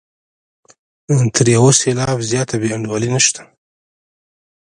تر یو سېلاب زیاته بې انډولي نشته.